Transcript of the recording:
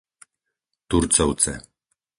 Turcovce